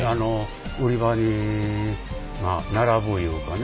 売り場に並ぶいうかね